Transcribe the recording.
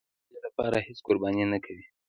دوی د سوکالۍ لپاره هېڅ قرباني نه کوي.